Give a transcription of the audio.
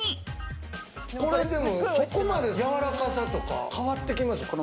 そこまでやわらかさとか変わってきます？